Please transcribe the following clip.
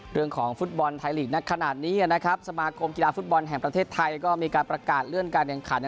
เรื่องของฟุตบอลไทยลีกนักขนาดนี้นะครับสมาคมกีฬาฟุตบอลแห่งประเทศไทยก็มีการประกาศเลื่อนการแข่งขัน